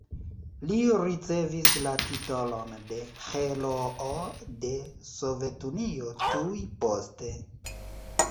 Li ricevis la titolon de Heroo de Sovetunio tuj poste.